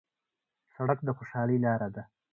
سړک د خوشحالۍ لاره ده.